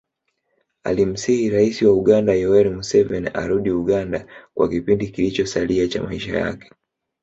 Alimsihi rais wa Uganda Yoweri Museveni arudi Uganda kwa kipindi kilichosalia cha maisha yake